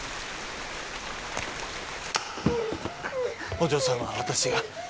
お嬢さんは私が